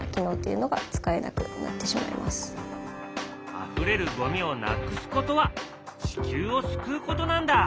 あふれるゴミをなくすことは地球を救うことなんだ。